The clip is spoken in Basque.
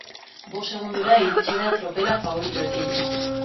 Bost segundora iritis da tropela faboritoekin.